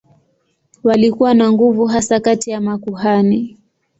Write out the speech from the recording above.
Walikuwa na nguvu hasa kati ya makuhani.